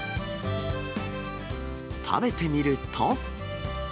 食べてみると。